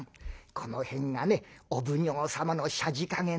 「この辺がねお奉行様のさじ加減ですよ。